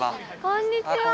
こんにちは。